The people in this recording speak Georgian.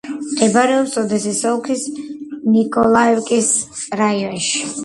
მდებარეობს ოდესის ოლქის ნიკოლაევკის რაიონში.